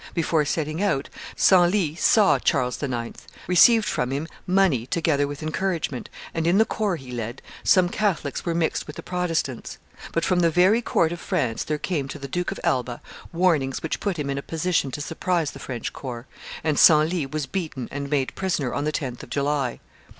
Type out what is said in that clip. Before setting out, Senlis saw Charles IX., received from him money together with encouragement, and, in the corps he led, some Catholics were mixed with the Protestants. But from the very court of France there came to the Duke of Alba warnings which put him in a position to surprise the French corps; and Senlis was beaten and made prisoner on the 10th of July.